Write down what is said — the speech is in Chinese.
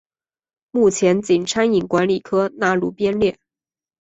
目前仅餐饮管理科纳入编列。